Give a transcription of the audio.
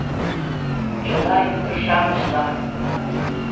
Чыла ӱдыр-шамычлан!